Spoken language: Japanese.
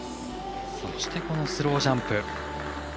そして、スロージャンプ。